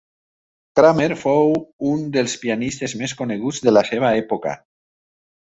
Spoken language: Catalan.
Cramer fou un dels pianistes més coneguts de la seva època.